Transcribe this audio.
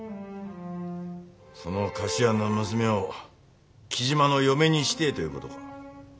その菓子屋の娘ょお雉真の嫁にしてえということか。